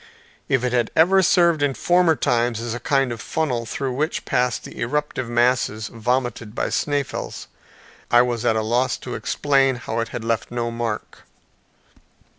If it had ever served in former times as a kind of funnel through which passed the eruptive masses vomited by Sneffels, I was at a loss to explain how it had left no mark.